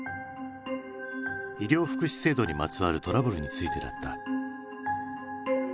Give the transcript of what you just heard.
医療福祉制度にまつわるトラブルについてだった。